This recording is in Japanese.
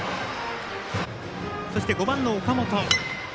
そして５番の岡本。